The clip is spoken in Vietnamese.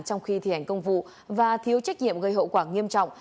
trong khi thi hành công vụ và thiếu trách nhiệm gây hậu quả nghiêm trọng